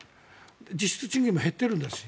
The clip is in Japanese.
実質賃金も減っているんですし。